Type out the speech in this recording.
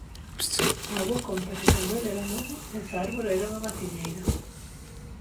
O avó conta que cando el era novo, esa árbore era unha maciñeira.